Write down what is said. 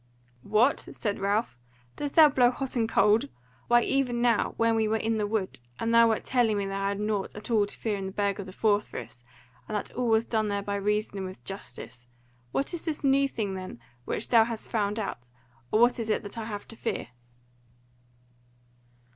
"What!" said Ralph, "Dost thou blow hot and cold? why even now, when we were in the wood, thou wert telling me that I had nought at all to fear in the Burg of the Four Friths, and that all was done there by reason and with justice. What is this new thing then which thou hast found out, or what is that I have to fear?"